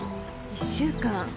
１週間。